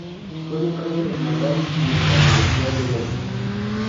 Fue educado en Madrás y en la Universidad de Oxford.